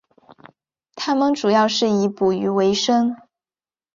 他们主要是以捕鱼维生。